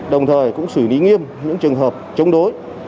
đồng thời cũng xử lý nghiêm những trường hợp chống đối